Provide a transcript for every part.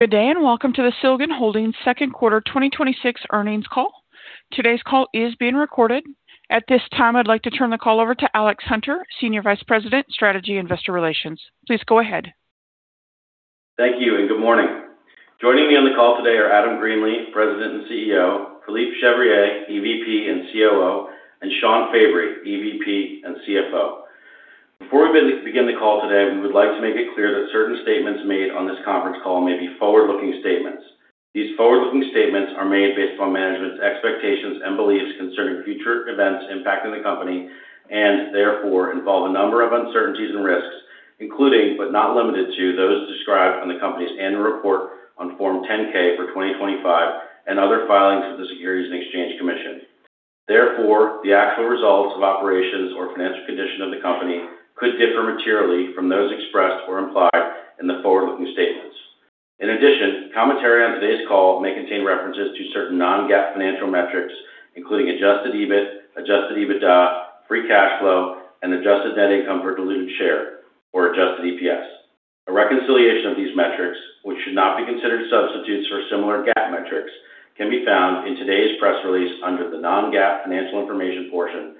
Good day, and welcome to the Silgan Holdings Q2 2026 Earnings Call. Today's call is being recorded. At this time, I'd like to turn the call over to Alex Hutter, Senior Vice President, Strategy and Investor Relations. Please go ahead. Thank you. Good morning. Joining me on the call today are Adam Greenlee, President and Chief Executive Officer, Philippe Chevrier, Executive Vice President and Chief Operating Officer, and Shawn Fabry, Executive Vice President and Chief Financial Officer. Before we begin the call today, we would like to make it clear that certain statements made on this conference call may be forward-looking statements. These forward-looking statements are made based on management's expectations and beliefs concerning future events impacting the company, and therefore, involve a number of uncertainties and risks, including but not limited to those described in the company's annual report on Form 10-K for 2025 and other filings with the Securities and Exchange Commission. Therefore, the actual results of operations or financial condition of the company could differ materially from those expressed or implied in the forward-looking statements. In addition, commentary on today's call may contain references to certain non-GAAP financial metrics, including Adjusted EBIT, Adjusted EBITDA, free cash flow, and adjusted net income per diluted share or adjusted EPS. A reconciliation of these metrics, which should not be considered substitutes for similar GAAP metrics, can be found in today's press release under the non-GAAP financial information portion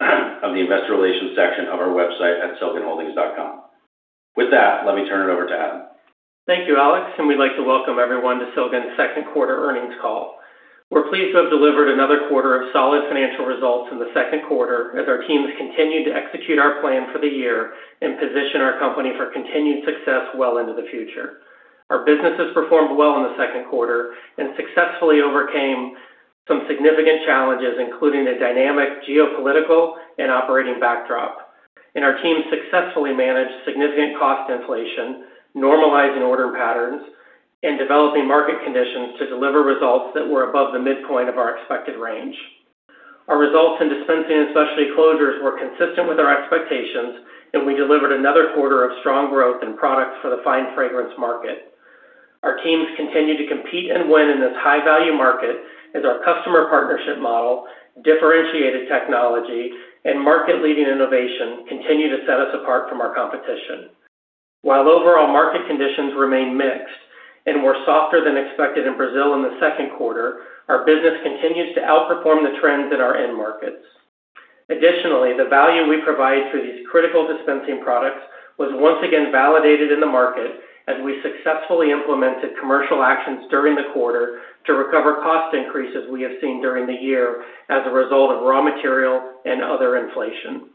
of the investor relations section of our website at silganholdings.com. With that, let me turn it over to Adam. Thank you, Alex. We'd like to welcome everyone to Silgan's Q2 Earnings Call. We're pleased to have delivered another quarter of solid financial results in the Q2 as our teams continue to execute our plan for the year and position our company for continued success well into the future. Our businesses performed well in Q2 and successfully overcame some significant challenges, including a dynamic geopolitical and operating backdrop. Our team successfully managed significant cost inflation, normalizing order patterns, and developing market conditions to deliver results that were above the midpoint of our expected range. Our results in Dispensing and Specialty Closures were consistent with our expectations, and we delivered another quarter of strong growth in products for the fine fragrance market. Our teams continue to compete and win in this high-value market as our customer partnership model, differentiated technology, and market-leading innovation continue to set us apart from our competition. While overall market conditions remain mixed and were softer than expected in Brazil in Q2, our business continues to outperform the trends in our end markets. Additionally, the value we provide through these critical dispensing products was once again validated in the market as we successfully implemented commercial actions during the quarter to recover cost increases we have seen during the year as a result of raw material and other inflation.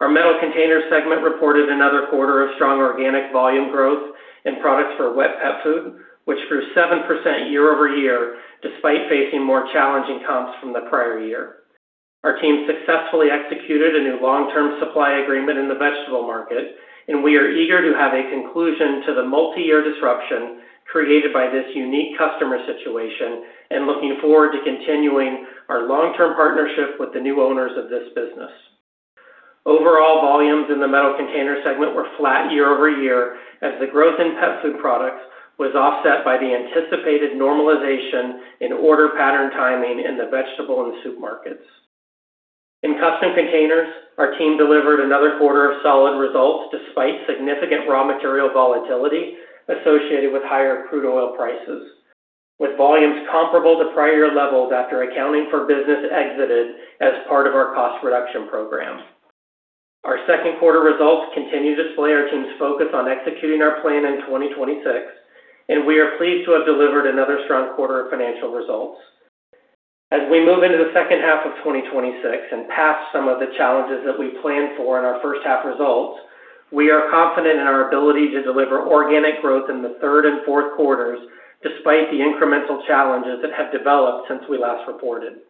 Our Metal Containers segment reported another quarter of strong organic volume growth in products for wet pet food, which grew 7% year-over-year despite facing more challenging comps from the prior year. Our team successfully executed a new long-term supply agreement in the vegetable market. We are eager to have a conclusion to the multi-year disruption created by this unique customer situation and looking forward to continuing our long-term partnership with the new owners of this business. Overall volumes in the Metal Containers segment were flat year-over-year as the growth in pet food products was offset by the anticipated normalization in order pattern timing in the vegetable and soup markets. In Custom Containers, our team delivered another quarter of solid results despite significant raw material volatility associated with higher crude oil prices, with volumes comparable to prior levels after accounting for business exited as part of our cost reduction program. Our Q2 results continue to display our team's focus on executing our plan in 2026. We are pleased to have delivered another strong quarter of financial results. As we move into the H2 of 2026 and past some of the challenges that we planned for in our H1 results, we are confident in our ability to deliver organic growth in the Q3 and Q4s despite the incremental challenges that have developed since we last reported.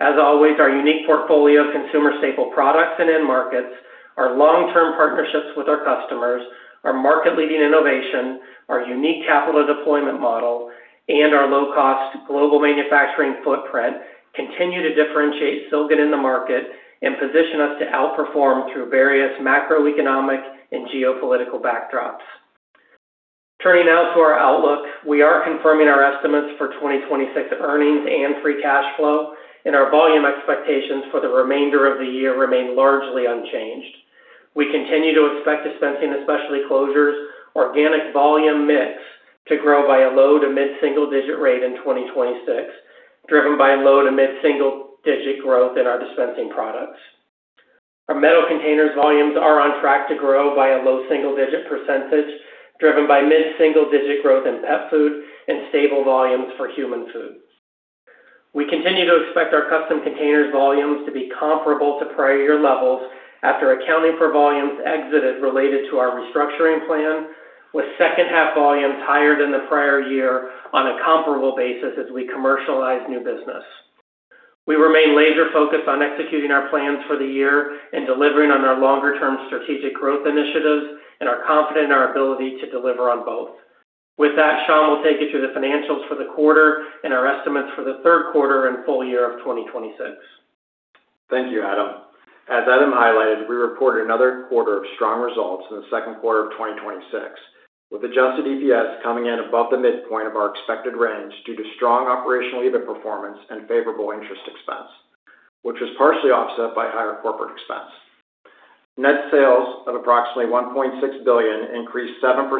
As always, our unique portfolio of consumer staple products and end markets, our long-term partnerships with our customers, our market-leading innovation, our unique capital deployment model, and our low-cost global manufacturing footprint continue to differentiate Silgan in the market and position us to outperform through various macroeconomic and geopolitical backdrops. Turning now to our outlook. We are confirming our estimates for 2026 earnings and free cash flow. Our volume expectations for the remainder of the year remain largely unchanged. We continue to expect Dispensing and Specialty Closures organic volume mix to grow by a low to mid-single digit rate in 2026, driven by low to mid-single digit growth in our dispensing products. Our Metal Containers volumes are on track to grow by a low single-digit percentage, driven by mid-single digit growth in pet food and stable volumes for human food. We continue to expect our Custom Containers volumes to be comparable to prior year levels after accounting for volumes exited related to our restructuring plan, with H2 volumes higher than the prior year on a comparable basis as we commercialize new business. We remain laser-focused on executing our plans for the year and delivering on our longer-term strategic growth initiatives and are confident in our ability to deliver on both. With that, Shawn will take you through the financials for the quarter and our estimates for the Q3 and full year of 2026. Thank you, Adam. As Adam highlighted, we reported another quarter of strong results in the Q2 of 2026, with adjusted EPS coming in above the midpoint of our expected range due to strong operational EBIT performance and favorable interest expense, which was partially offset by higher corporate expense. Net sales of approximately $1.6 billion increased 7%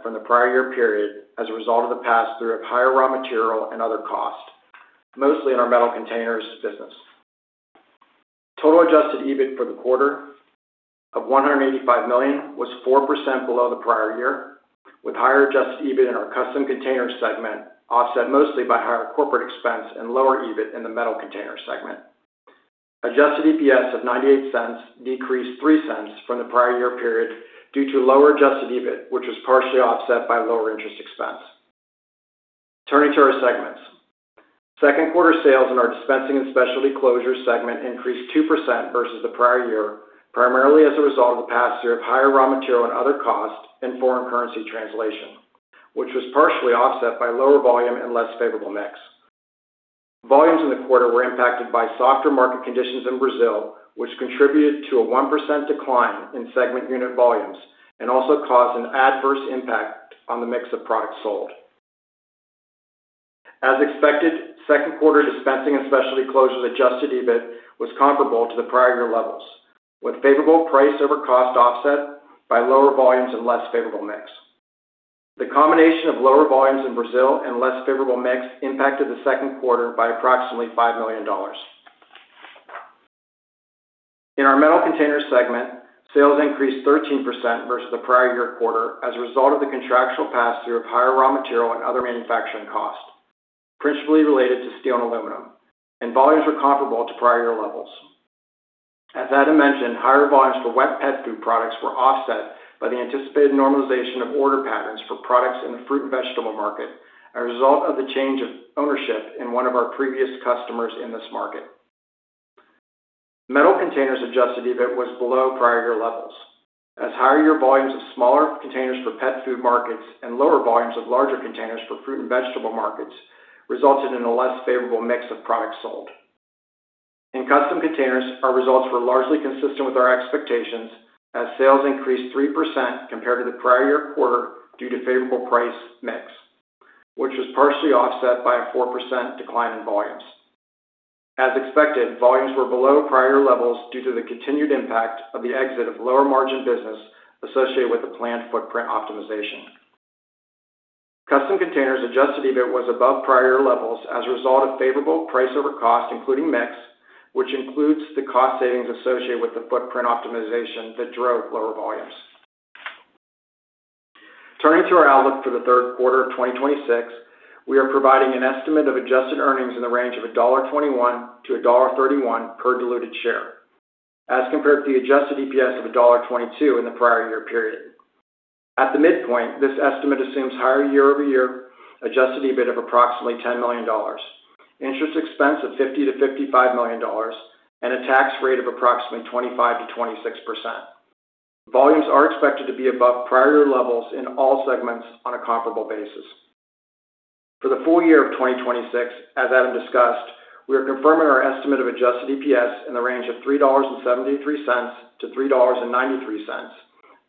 from the prior year period as a result of the pass-through of higher raw material and other costs, mostly in our Metal Containers business. Total Adjusted EBIT for the quarter of $185 million was 4% below the prior year, with higher Adjusted EBIT in our Custom Containers segment, offset mostly by higher corporate expense and lower EBIT in the Metal Containers segment. Adjusted EPS of $0.98 decreased $0.03 from the prior year period due to lower Adjusted EBIT, which was partially offset by lower interest expense. Turning to our segments. Q2 sales in our Dispensing and Specialty Closures segment increased 2% versus the prior year, primarily as a result of the pass-through of higher raw material and other costs in foreign currency translation, which was partially offset by lower volume and less favorable mix. Volumes in the quarter were impacted by softer market conditions in Brazil, which contributed to a 1% decline in segment unit volumes and also caused an adverse impact on the mix of products sold. As expected, Q2 Dispensing and Specialty Closures Adjusted EBIT was comparable to the prior year levels, with favorable price over cost offset by lower volumes and less favorable mix. The combination of lower volumes in Brazil and less favorable mix impacted the Q2 by approximately $5 million. In our Metal Containers segment, sales increased 13% versus the prior year quarter as a result of the contractual pass-through of higher raw material and other manufacturing costs, principally related to steel and aluminum, and volumes were comparable to prior year levels. As Adam mentioned, higher volumes for wet pet food products were offset by the anticipated normalization of order patterns for products in the fruit and vegetable market, a result of the change of ownership in one of our previous customers in this market. Metal Containers Adjusted EBIT was below prior year levels, as higher year volumes of smaller containers for pet food markets and lower volumes of larger containers for fruit and vegetable markets resulted in a less favorable mix of products sold. In Custom Containers, our results were largely consistent with our expectations as sales increased 3% compared to the prior year quarter due to favorable price mix, which was partially offset by a 4% decline in volumes. As expected, volumes were below prior year levels due to the continued impact of the exit of lower margin business associated with the planned footprint optimization. Custom Containers Adjusted EBIT was above prior year levels as a result of favorable price over cost, including mix, which includes the cost savings associated with the footprint optimization that drove lower volumes. Turning to our outlook for the Q3 of 2026, we are providing an estimate of adjusted earnings in the range of $1.21 to $1.31 per diluted share as compared to the adjusted EPS of $1.22 in the prior year period. At the midpoint, this estimate assumes higher year-over-year Adjusted EBIT of approximately $10 million, interest expense of $50 million to $55 million, and a tax rate of approximately 25%-26%. Volumes are expected to be above prior year levels in all segments on a comparable basis. For the full year of 2026, as Adam discussed, we are confirming our estimate of adjusted EPS in the range of $3.73 to $3.93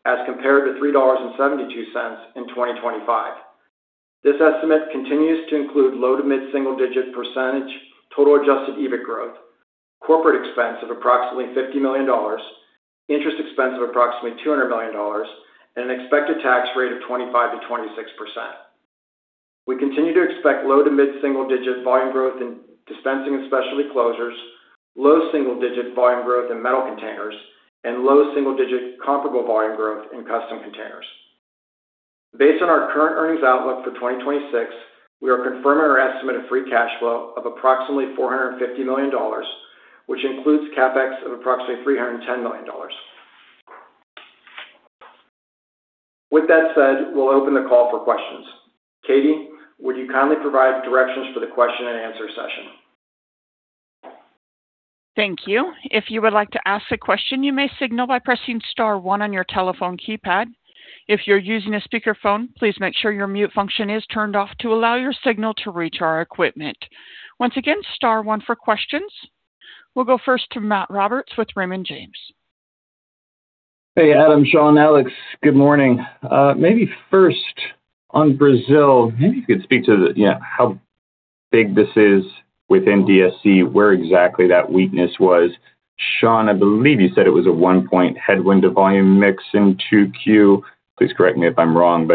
as compared to $3.72 in 2025. This estimate continues to include low to mid single digit percentage total Adjusted EBIT growth, corporate expense of approximately $50 million, interest expense of approximately $200 million, and an expected tax rate of 25%-26%. We continue to expect low to mid single digit volume growth in Dispensing and Specialty Closures, low single digit volume growth in Metal Containers, and low single digit comparable volume growth in Custom Containers. Based on our current earnings outlook for 2026, we are confirming our estimate of free cash flow of approximately $450 million, which includes CapEx of approximately $310 million. With that said, we will open the call for questions. Katie, would you kindly provide directions for the question and answer session? Thank you. If you would like to ask a question, you may signal by pressing star one on your telephone keypad. If you are using a speakerphone, please make sure your mute function is turned off to allow your signal to reach our equipment. Once again, star one for questions. We will go first to Matt Roberts with Raymond James. Hey, Adam, Shawn, Alex, good morning. First on Brazil. You could speak to how big this is within DSC, where exactly that weakness was. Shawn, I believe you said it was a one point headwind of volume mix in Q2. Please correct me if I'm wrong.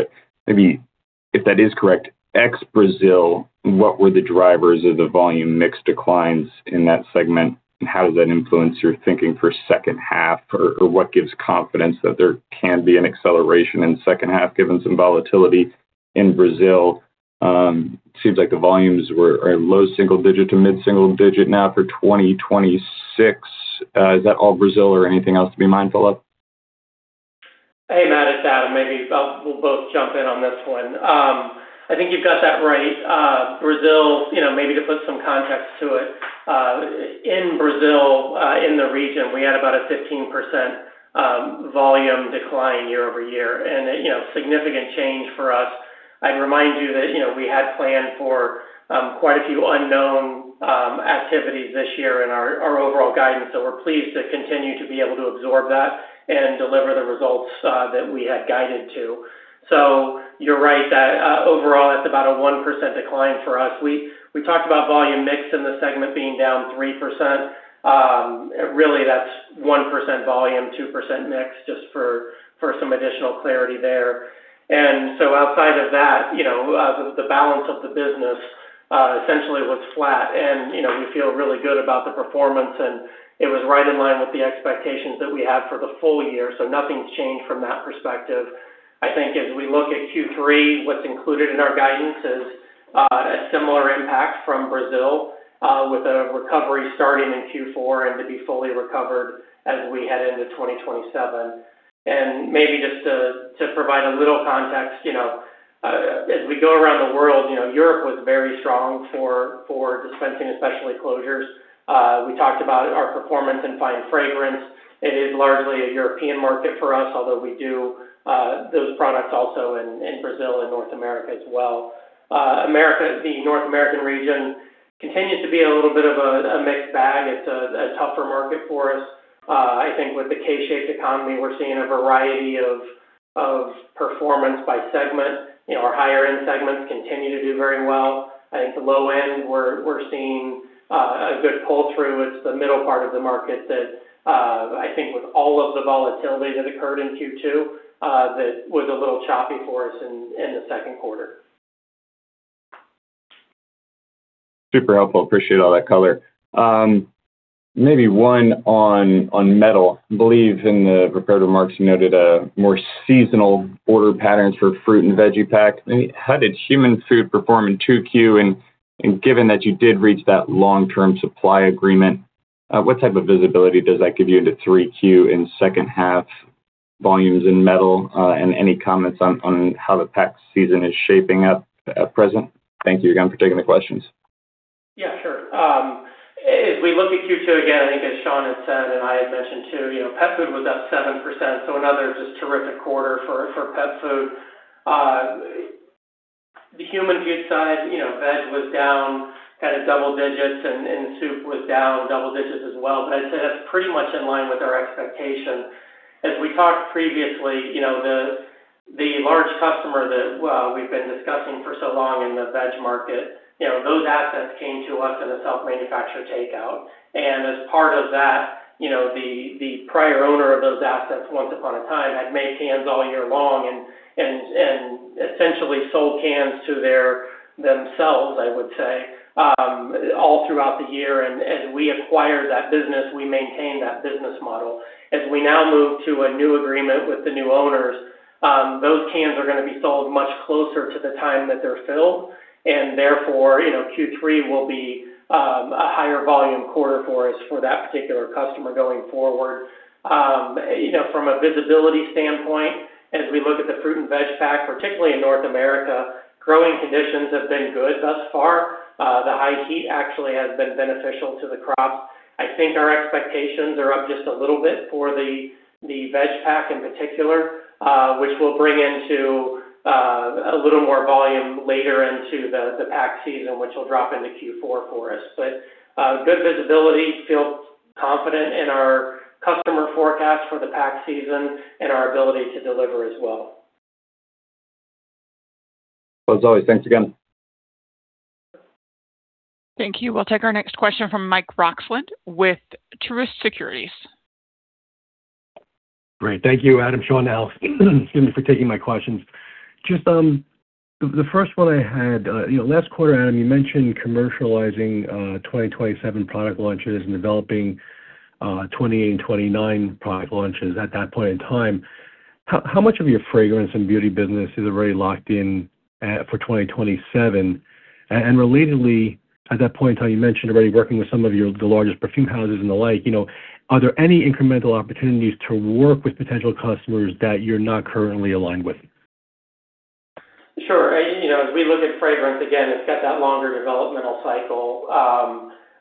If that is correct, ex-Brazil, what were the drivers of the volume mix declines in that segment, and how does that influence your thinking for H2? What gives confidence that there can be an acceleration in H2 given some volatility in Brazil? Seems like the volumes are low single digit to mid single digit now for 2026. Is that all Brazil or anything else to be mindful of? Hey, Matt. It's Adam. We'll both jump in on this one. I think you've got that right. Brazil, to put some context to it. In Brazil, in the region, we had about a 15% volume decline year-over-year. A significant change for us I'd remind you that we had planned for quite a few unknown activities this year in our overall guidance. We're pleased to continue to be able to absorb that and deliver the results that we had guided to. You're right that overall it's about a 1% decline for us. We talked about volume mix in the segment being down 3%. Really, that's 1% volume, 2% mix, just for some additional clarity there. Outside of that, the balance of the business essentially looks flat. We feel really good about the performance, and it was right in line with the expectations that we had for the full year. Nothing's changed from that perspective. I think as we look at Q3, what's included in our guidance is a similar impact from Brazil, with a recovery starting in Q4 and to be fully recovered as we head into 2027. Just to provide a little context, as we go around the world, Europe was very strong for dispensing, especially closures. We talked about our performance in fine fragrance. It is largely a European market for us, although we do those products also in Brazil and North America as well. The North American region continues to be a little bit of a mixed bag. It's a tougher market for us. I think with the K-shaped economy, we're seeing a variety of performance by segment. Our higher-end segments continue to do very well. I think the low end, we're seeing a good pull through. It's the middle part of the market that I think with all of the volatility that occurred in Q2, that was a little choppy for us in Q2. Super helpful. Appreciate all that color. Maybe one on metal. I believe in the prepared remarks, you noted more seasonal order patterns for fruit and veggie pack. How did human food perform in Q2? Given that you did reach that long-term supply agreement, what type of visibility does that give you into Q3 and H2 volumes in metal? Any comments on how the pack season is shaping up at present? Thank you again for taking the questions. Yeah, sure. As we look at Q2, again, I think as Shawn had said, and I had mentioned too, pet food was up 7%. Another just terrific quarter for pet food. The human food side, veg was down double digits, and soup was down double digits as well. I'd say that's pretty much in line with our expectation. As we talked previously, the large customer that we've been discussing for so long in the veg market, those assets came to us in a self-manufactured takeout. As part of that, the prior owner of those assets once upon a time had made cans all year long and essentially sold cans to themselves, I would say, all throughout the year. As we acquired that business, we maintained that business model. As we now move to a new agreement with the new owners, those cans are going to be sold much closer to the time that they're filled. Therefore, Q3 will be a higher volume quarter for us for that particular customer going forward. From a visibility standpoint, as we look at the fruit and veg pack, particularly in North America, growing conditions have been good thus far. The high heat actually has been beneficial to the crops. I think our expectations are up just a little bit for the veg pack in particular, which will bring into a little more volume later into the pack season, which will drop into Q4 for us. Good visibility, feel confident in our customer forecast for the pack season, and our ability to deliver as well. Well, as always, thanks again. Thank you. We'll take our next question from Mike Roxland with Truist Securities. Great. Thank you, Adam, Shawn, and Alex, excuse me, for taking my questions. The first one I had, last quarter, Adam, you mentioned commercializing 2027 product launches and developing 2028 and 2029 product launches at that point in time. How much of your fragrance and beauty business is already locked in for 2027? Relatedly, at that point in time, you mentioned already working with some of the largest perfume houses and the like. Are there any incremental opportunities to work with potential customers that you're not currently aligned with? Sure. As we look at fragrance, again, it's got that longer developmental cycle.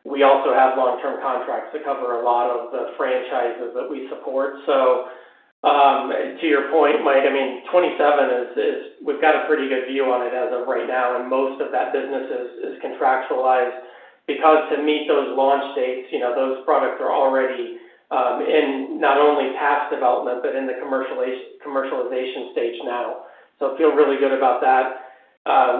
We also have long-term contracts that cover a lot of the franchises that we support. To your point, Mike, I mean, 2027, we've got a pretty good view on it as of right now, and most of that business is contractualized because to meet those launch dates, those products are already in not only past development, but in the commercialization stage now. Feel really good about that.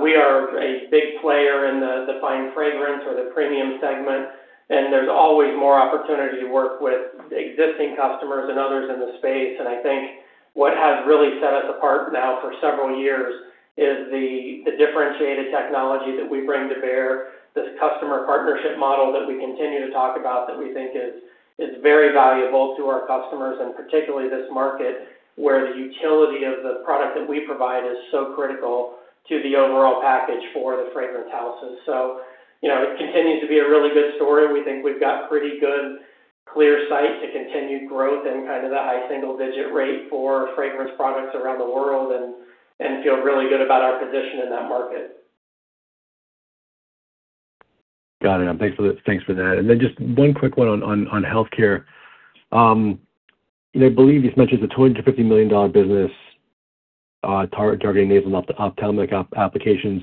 We are a big player in the fine fragrance or the premium segment, there's always more opportunity to work with existing customers and others in the space. I think what has really set us apart now for several years is the differentiated technology that we bring to bear, this customer partnership model that we continue to talk about that we think is very valuable to our customers. Particularly this market where the utility of the product that we provide is so critical to the overall package for the fragrance houses. It continues to be a really good story. We think we've got pretty good clear sight to continued growth in the high single-digit rate for fragrance products around the world and feel really good about our position in that market. Got it. Thanks for that. Just one quick one on healthcare. I believe you've mentioned it's a $250 million business targeting nasal and ophthalmic applications.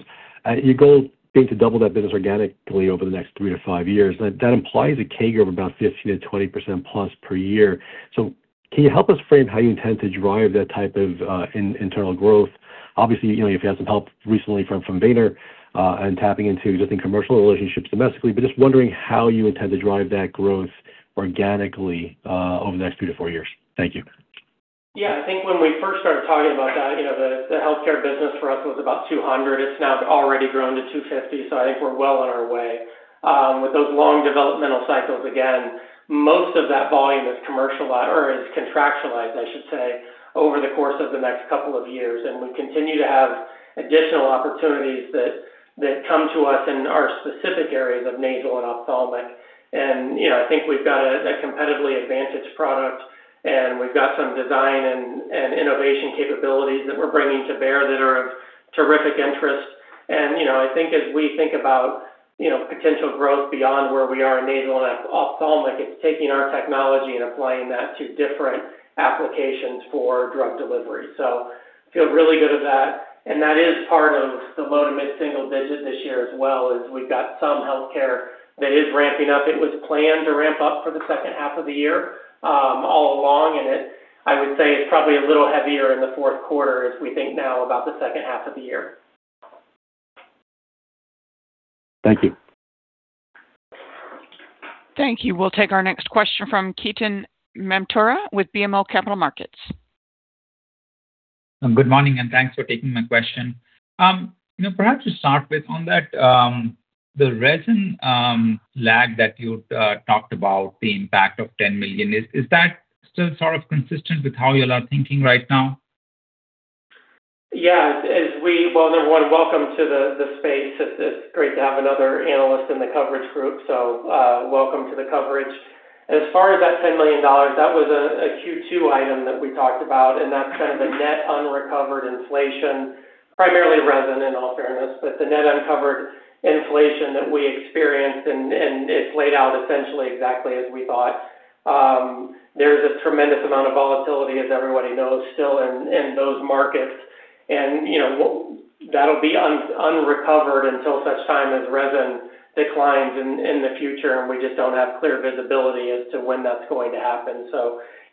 Your goal being to double that business organically over the next three to five years. That implies a CAGR of about 15%-20%+ per year. Can you help us frame how you intend to drive that type of internal growth? Obviously, you've had some help recently from Vayner and tapping into existing commercial relationships domestically, but just wondering how you intend to drive that growth organically over the next three to four years. Thank you. I think when we first started talking about that, the healthcare business for us was about $200 million. It's now already grown to $250 million, I think we're well on our way. With those long developmental cycles, again, most of that volume is commercialized or is contractualized, I should say, over the course of the next couple of years. We continue to have additional opportunities that come to us in our specific areas of nasal and ophthalmic. I think we've got a competitively advantaged product, and we've got some design and innovation capabilities that we're bringing to bear that are of terrific interest. I think as we think about potential growth beyond where we are in nasal and ophthalmic, it's taking our technology and applying that to different applications for drug delivery. Feel really good at that, and that is part of the low to mid-single-digit this year as well, is we've got some healthcare that is ramping up. It was planned to ramp up for the H2 of the year all along, and I would say it's probably a little heavier in the Q4 as we think now about the H2 of the year. Thank you. Thank you. We'll take our next question from Ketan Mamtora with BMO Capital Markets. Good morning. Thanks for taking my question. Perhaps to start with on that, the resin lag that you talked about, the impact of $10 million, is that still sort of consistent with how you all are thinking right now? Yeah. Well, number one, welcome to the space. It's great to have another analyst in the coverage group. Welcome to the coverage. As far as that $10 million, that was a Q2 item that we talked about. That's kind of the net unrecovered inflation, primarily resin in all fairness. The net unrecovered inflation that we experienced. It played out essentially exactly as we thought. There's a tremendous amount of volatility, as everybody knows, still in those markets. That'll be unrecovered until such time as resin declines in the future. We just don't have clear visibility as to when that's going to happen.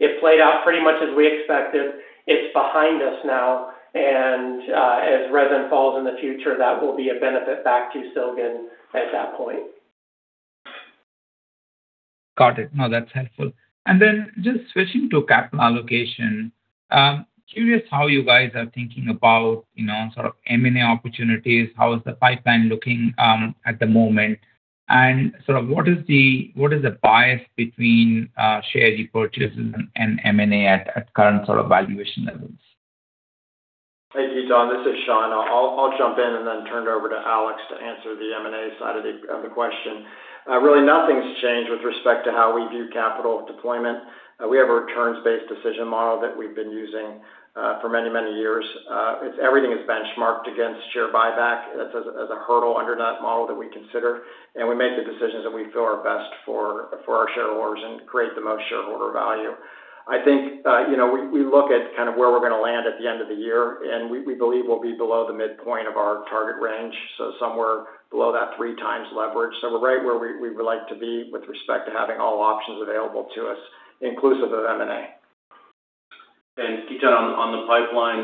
It played out pretty much as we expected. It's behind us now. As resin falls in the future, that will be a benefit back to Silgan at that point. Got it. No, that's helpful. Then just switching to capital allocation. Curious how you guys are thinking about sort of M&A opportunities. How is the pipeline looking at the moment? What is the bias between share repurchases and M&A at current sort of valuation levels? Thank you, Ketan. This is Shawn. I'll jump in then turn it over to Alex to answer the M&A side of the question. Really nothing's changed with respect to how we view capital deployment. We have a returns-based decision model that we've been using for many, many years. Everything is benchmarked against share buyback as a hurdle under that model that we consider. We make the decisions that we feel are best for our shareholders and create the most shareholder value. I think we look at kind of where we're going to land at the end of the year. We believe we'll be below the midpoint of our target range, somewhere below that 3x leverage. We're right where we would like to be with respect to having all options available to us, inclusive of M&A. Ketan, on the pipeline,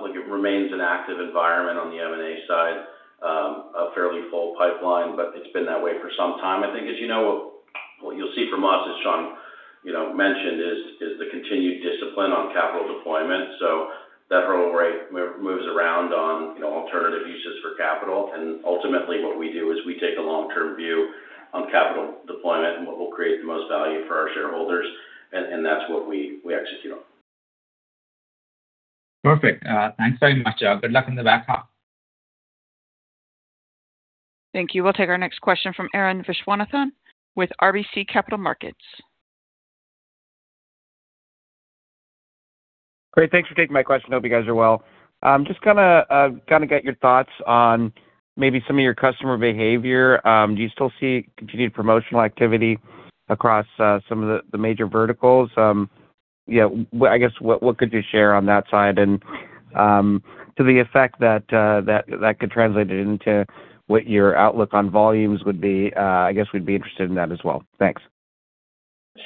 look, it remains an active environment on the M&A side, a fairly full pipeline. It's been that way for some time. I think as you know, what you'll see from us, as Shawn mentioned, is the continued discipline on capital deployment. That hurdle rate moves around on alternative uses for capital. Ultimately what we do is we take a long-term view on capital deployment and what will create the most value for our shareholders. That's what we execute on. Perfect. Thanks very much. Good luck in H2. Thank you. We'll take our next question from Arun Viswanathan with RBC Capital Markets. Great. Thanks for taking my question. Hope you guys are well. Just going to get your thoughts on maybe some of your customer behavior. Do you still see continued promotional activity across some of the major verticals? I guess, what could you share on that side and to the effect that could translate it into what your outlook on volumes would be? I guess we'd be interested in that as well. Thanks.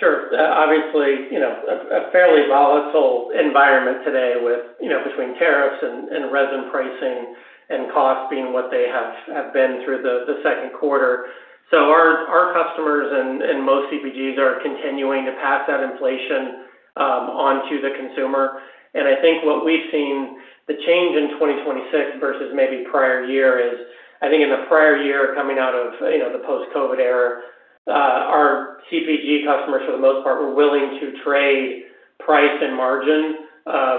Sure. Obviously, a fairly volatile environment today between tariffs and resin pricing and costs being what they have been through Q2. Our customers and most CPGs are continuing to pass that inflation onto the consumer. I think what we've seen the change in 2026 versus maybe prior year is, I think in the prior year coming out of the post-COVID era, our CPG customers for the most part were willing to trade price and margin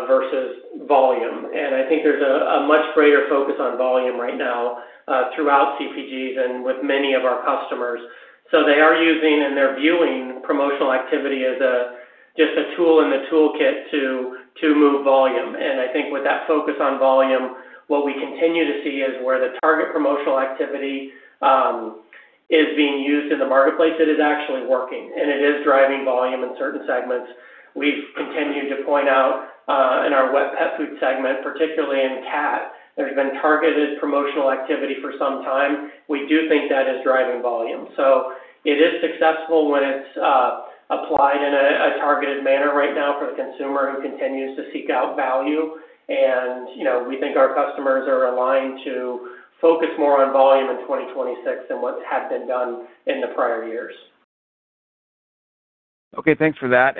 versus volume. I think there's a much greater focus on volume right now throughout CPGs and with many of our customers. They are using and they're viewing promotional activity as a Just a tool in the toolkit to move volume. I think with that focus on volume, what we continue to see is where the target promotional activity is being used in the marketplace, it is actually working, and it is driving volume in certain segments. We've continued to point out in our wet pet food segment, particularly in cat, there's been targeted promotional activity for some time. We do think that is driving volume. It is successful when it's applied in a targeted manner right now for the consumer who continues to seek out value. We think our customers are aligned to focus more on volume in 2026 than what had been done in the prior years. Okay. Thanks for that.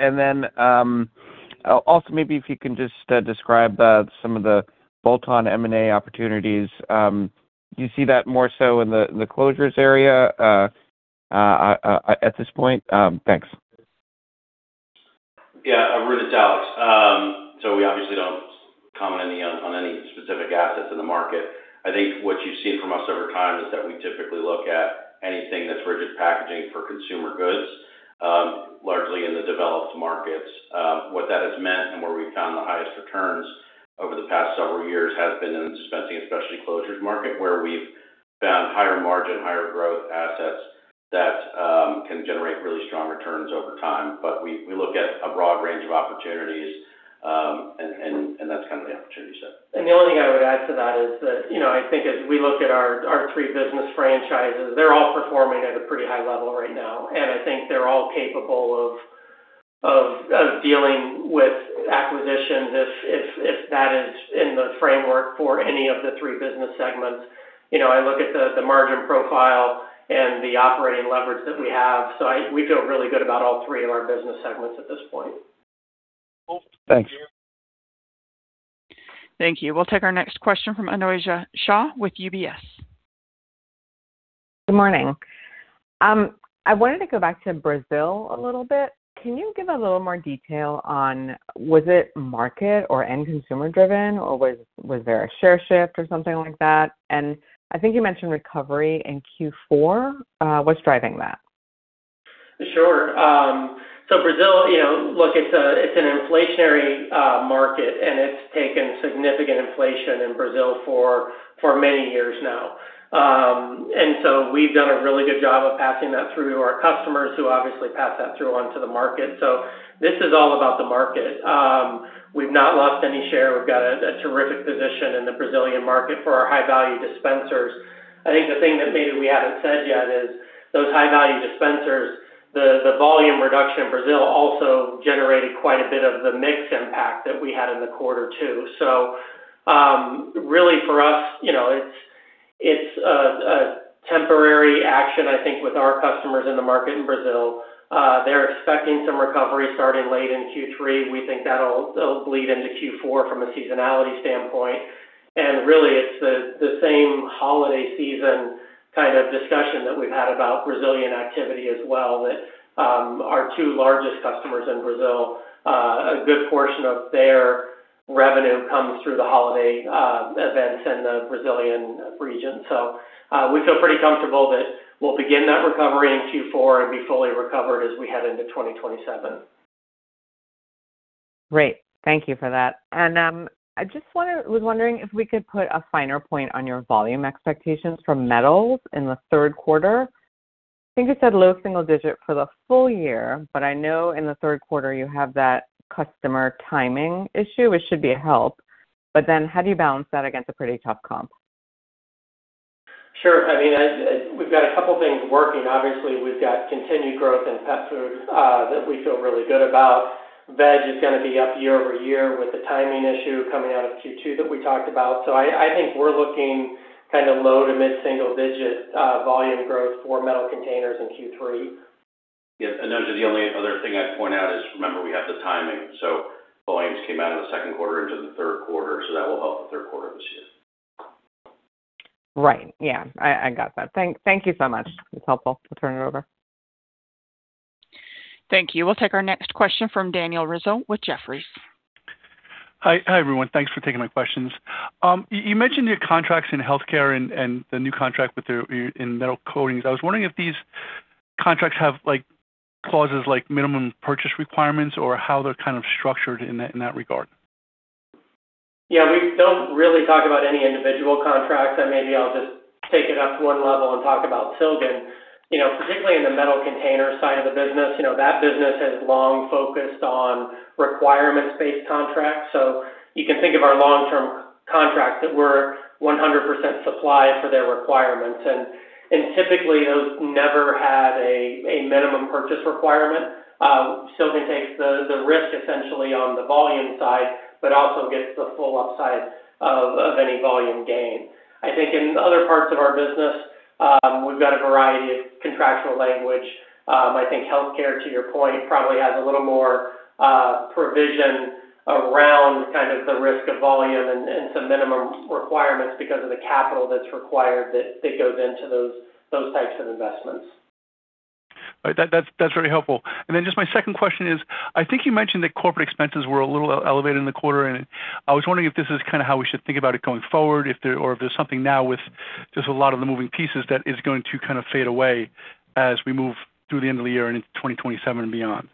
Also maybe if you can just describe some of the bolt-on M&A opportunities. Do you see that more so in the closures area at this point? Thanks. Yeah, Arun, it's Alex. We obviously don't comment on any specific assets in the market. I think what you've seen from us over time is that we typically look at anything that's rigid packaging for consumer goods, largely in the developed markets. What that has meant and where we've found the highest returns over the past several years has been in the Dispensing and Specialty Closures market, where we've found higher margin, higher growth assets that can generate really strong returns over time. We look at a broad range of opportunities, and that's kind of the opportunity set. The only thing I would add to that is that, I think as we look at our three business franchises, they're all performing at a pretty high level right now, and I think they're all capable of dealing with acquisitions if that is in the framework for any of the three business segments. I look at the margin profile and the operating leverage that we have. We feel really good about all three of our business segments at this point. Cool. Thanks. Thank you. We'll take our next question from Anojja Shah with UBS. Good morning. I wanted to go back to Brazil a little bit. Can you give a little more detail on was it market or end consumer driven, or was there a share shift or something like that? I think you mentioned recovery in Q4. What's driving that? Sure. Brazil, look, it's an inflationary market, and it's taken significant inflation in Brazil for many years now. We've done a really good job of passing that through to our customers, who obviously pass that through onto the market. This is all about the market. We've not lost any share. We've got a terrific position in the Brazilian market for our high-value dispensers. I think the thing that maybe we haven't said yet is those high-value dispensers, the volume reduction in Brazil also generated quite a bit of the mix impact that we had in the quarter too. Really for us, it's a temporary action, I think with our customers in the market in Brazil. They're expecting some recovery starting late in Q3. We think that'll bleed into Q4 from a seasonality standpoint. Really it's the same holiday season kind of discussion that we've had about Brazilian activity as well, that our two largest customers in Brazil, a good portion of their revenue comes through the holiday events in the Brazilian region. We feel pretty comfortable that we'll begin that recovery in Q4 and be fully recovered as we head into 2027. Great. Thank you for that. I just was wondering if we could put a finer point on your volume expectations for metals in Q3. I think you said low single digit for the full year, but I know in Q3 you have that customer timing issue, which should be a help. How do you balance that against a pretty tough comp? Sure. We've got a couple things working. Obviously, we've got continued growth in wet pet food that we feel really good about. Veg is going to be up year-over-year with the timing issue coming out of Q2 that we talked about. I think we're looking kind of low to mid single-digit volume growth for Metal Containers in Q3. Yes. Anojja, the only other thing I'd point out is, remember, we have the timing, volumes came out of Q2 into Q3, that will help Q3 this year. Right. Yeah. I got that. Thank you so much. It's helpful. I'll turn it over. Thank you. We'll take our next question from Daniel Rizzo with Jefferies. Hi, everyone. Thanks for taking my questions. You mentioned your contracts in healthcare and the new contract in Metal Containers. I was wondering if these contracts have clauses like minimum purchase requirements or how they're kind of structured in that regard. Yeah. We don't really talk about any individual contracts. Maybe I'll just take it up one level and talk about Silgan. Particularly in the Metal Containers side of the business, that business has long focused on requirements-based contracts. You can think of our long-term contracts that we're 100% supply for their requirements. Typically, those never had a minimum purchase requirement. Silgan takes the risk essentially on the volume side, but also gets the full upside of any volume gain. I think in other parts of our business, we've got a variety of contractual language. I think healthcare, to your point, probably has a little more provision around kind of the risk of volume and some minimum requirements because of the capital that's required that goes into those types of investments. All right. That's very helpful. Just my second question is, I think you mentioned that corporate expenses were a little elevated in the quarter, and I was wondering if this is kind of how we should think about it going forward, or if there's something now with just a lot of the moving pieces that is going to kind of fade away as we move through the end of the year and into 2027 and beyond.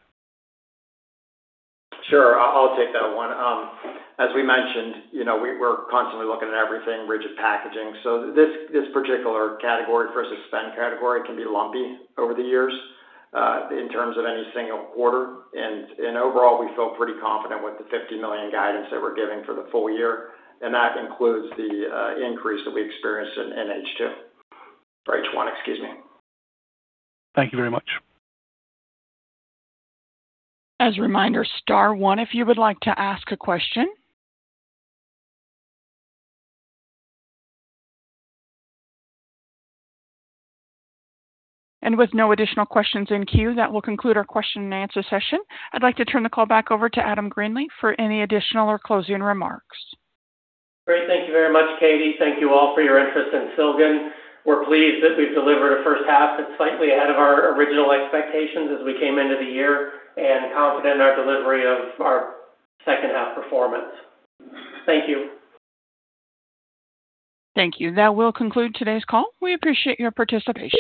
Sure. I'll take that one. As we mentioned, we're constantly looking at everything rigid packaging. This particular category versus spend category can be lumpy over the years, in terms of any single quarter. Overall, we feel pretty confident with the $50 million guidance that we're giving for the full year, and that includes the increase that we experienced in H2. For H1, excuse me. Thank you very much. As a reminder, star one if you would like to ask a question. With no additional questions in queue, that will conclude our question and answer session. I'd like to turn the call back over to Adam Greenlee for any additional or closing remarks. Great. Thank you very much, Katie. Thank you all for your interest in Silgan. We're pleased that we've delivered a H1 that's slightly ahead of our original expectations as we came into the year, confident in our delivery of our H2 performance. Thank you. Thank you. That will conclude today's call. We appreciate your participation.